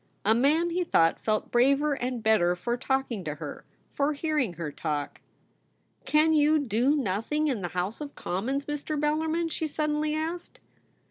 A man, he thought, felt braver and better for talking to her ; for hearing her talk. ' Can you do nothing in the House of Com mons, Mr. Bellarmin ?' she suddenly asked.